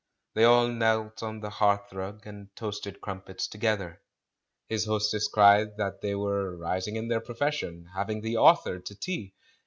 They all knelt on the hearthrug and toasted crumpets together. His hostesses cried that they were "rising in their profession, having the author to tea!"